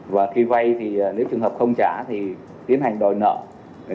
và khi vay thì nếu trường hợp không trả thì tiến hành đòi nợ